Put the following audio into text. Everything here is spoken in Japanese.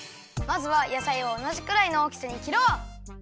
まずは野菜をおなじくらいのおおきさに切ろう！